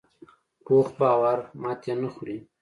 پوخ باور ماتې نه خوري